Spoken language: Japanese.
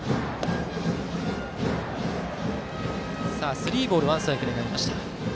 スリーボールワンストライクになりました。